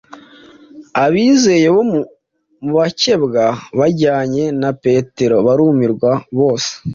Abizeye bo mu bakebwe bajyanye na Petero barumirwa bose,